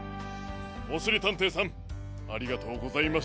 おしりたんていさんありがとうございまし。